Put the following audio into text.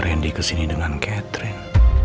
kenapa ren dikesini dengan catherine